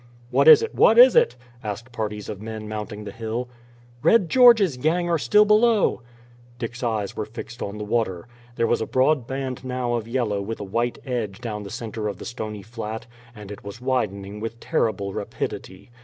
"What is it, what is it?" asked parties of men mounting the hill. "Red George's gang are still below." Dick's eyes were fixed on the water. There was a broad band now of yellow with a white edge down the center of the stony flat, and it was widening with terrible rapidity.